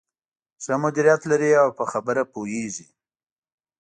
ښه مديريت لري او په خبره پوهېږې.